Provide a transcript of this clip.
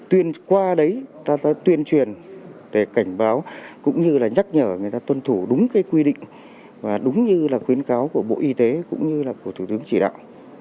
tuyên qua đấy ta sẽ tuyên truyền để cảnh báo cũng như là nhắc nhở người ta tuân thủ đúng cái quy định và đúng như là khuyến cáo của bộ y tế cũng như là của thủ tướng chỉ đạo